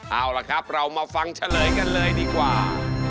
เอาล่ะครับเรามาฟังเฉลยกันเลยดีกว่า